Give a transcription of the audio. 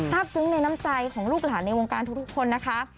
ทรัพย์กึ้งในน้ำใจของลูกหลานวงการทุกคนนะคะ